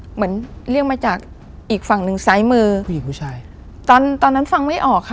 เหมือนเรียกมาจากอีกฝั่งหนึ่งซ้ายมือผู้หญิงผู้ชายตอนตอนนั้นฟังไม่ออกค่ะ